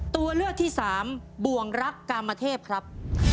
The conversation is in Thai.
ตัวเลือกที่สามบ่วงรักกามเทพครับ